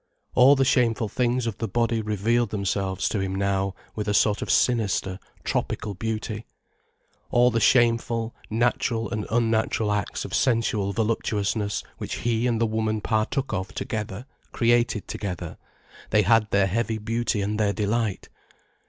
All the shameful things of the body revealed themselves to him now with a sort of sinister, tropical beauty. All the shameful, natural and unnatural acts of sensual voluptuousness which he and the woman partook of together, created together, they had their heavy beauty and their delight.